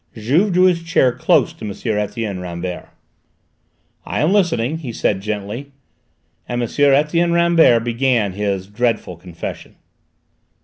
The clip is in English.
Juve drew his chair close to M. Etienne Rambert. "I am listening," he said gently, and M. Etienne Rambert began his "dreadful confession."